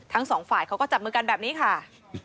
ทั้งสองฝ่ายเขาก็จับมือกันแบบนี้ค่ะ